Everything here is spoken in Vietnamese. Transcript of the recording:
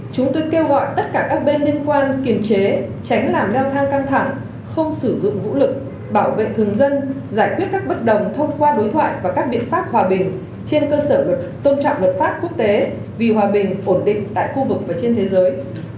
chúng tôi kêu gọi tất cả các bên liên quan kiểm chế tránh làm leo thang căng thẳng không sử dụng vũ lực bảo vệ thường dân giải quyết các bất đồng thông qua đối thoại và các biện pháp hòa bình trên cơ sở tôn trọng luật pháp quốc tế vì hòa bình ổn định tại khu vực và trên thế giới